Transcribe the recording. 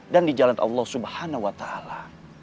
dan di jalan allah subhanahu wa ta'ala